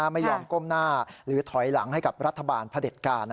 ไม่ยอมก้มหน้าหรือถอยหลังให้กับรัฐบาลพระเด็จการ